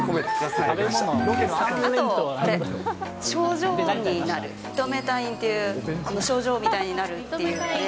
賞状になる、認めた印っていう、賞状みたいになるっていうので。